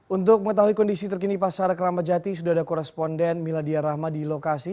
untuk mengetahui kondisi terkini pasar keramat jati sudah ada koresponden miladia rahma di lokasi